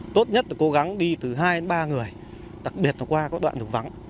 tốt nhất là cố gắng đi từ hai đến ba người đặc biệt là qua các đoạn đường vắng